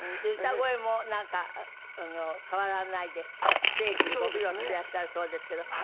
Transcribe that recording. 歌声もなんか変わらないでステージでご披露していらっしゃるそうですけど。